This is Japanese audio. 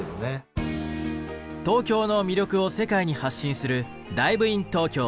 東京の魅力を世界に発信する「ＤｉｖｅｉｎＴｏｋｙｏ」。